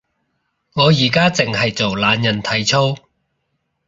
我而家淨係做懶人體操